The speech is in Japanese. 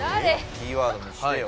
キーワード見してよ。